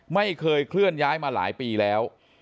ไม่เคยเคลื่อนย้ายมาหลายปีแล้ว